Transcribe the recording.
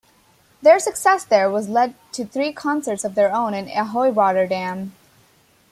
Their success there led to three concerts of their own in Ahoy Rotterdam.